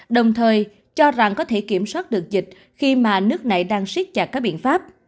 đồng thời cho rằng có thể kiểm soát được dịch khi mà nước này đang siết chặt các biện pháp